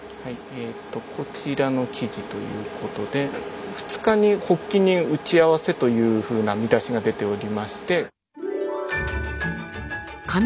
ええとこちらの記事ということで「二日に発起人打合せ」というふうな見出しが出ておりまして。